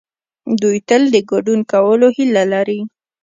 دوی تل د ګډون کولو هيله لري.